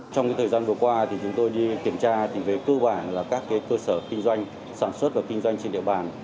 trong thời gian vừa qua chúng tôi đi kiểm tra về cơ bản là các cơ sở kinh doanh sản xuất và kinh doanh trên địa bàn